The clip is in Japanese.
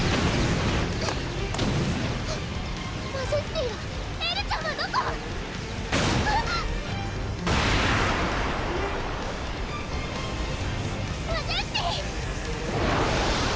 マジェスティはエルちゃんはどこ⁉マジェスティ！